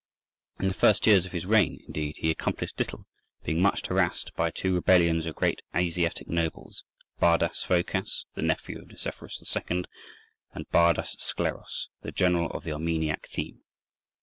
In the first years of his reign, indeed, he accomplished little, being much harassed by two rebellions of great Asiatic nobles—Bardas Phocas, the nephew of Nicephorus II., and Bardas Skleros, the general of the Armeniac theme.